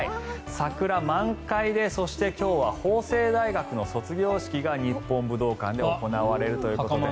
桜、満開でそして今日は法政大学の卒業式が日本武道館で行われるということです。